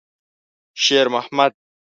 شېرمحمد.